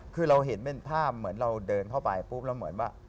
คือเราเห็นเป็นภาพเหมือนเราเดินเข้าไปปุ๊บแล้วเหมือนว่า